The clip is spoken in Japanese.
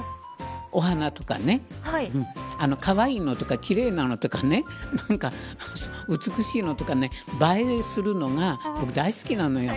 お花とかねかわいいのとか奇麗なのとかね美しいのとか映えるのが僕、大好きなのよ。